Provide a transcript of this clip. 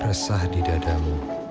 resah di dadamu